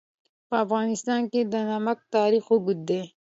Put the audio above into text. په افغانستان کې د نمک تاریخ اوږد دی.